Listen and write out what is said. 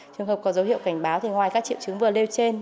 trường hợp có dấu hiệu cảnh báo thì ngoài các triệu chứng vừa nêu trên